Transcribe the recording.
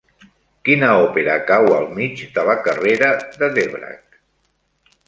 Quina òpera cau al mig de la carrera de Dvořák?